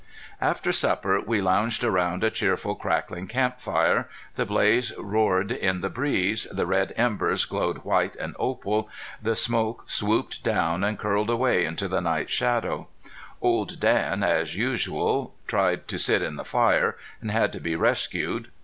After supper we lounged around a cheerful, crackling camp fire. The blaze roared in the breeze, the red embers glowed white and opal, the smoke swooped down and curled away into the night shadows. Old Dan, as usual, tried to sit in the fire, and had to be rescued.